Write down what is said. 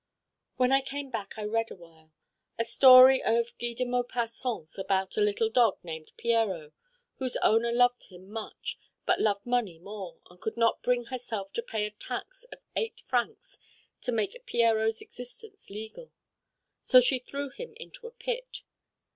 When I came back I read awhile a story of Guy de Maupassant's about a little dog named Pierrot, whose owner loved him much but loved money more and could not bring herself to pay a tax of eight francs to make Pierrot's existence legal. So she threw him into a pit.